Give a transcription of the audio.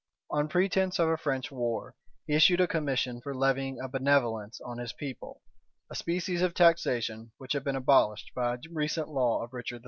On pretence of a French war, he issued a commission for levying a "benevolence" on his people;[*] a species of taxation which had been abolished by a recent law of Richard III.